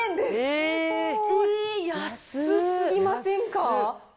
えー、安すぎませんか。